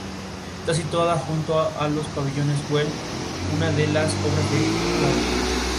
Está situada junto a los Pabellones Güell, una de las obras de Gaudí.